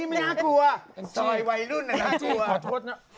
โห้ยน่ากลัวพ่อ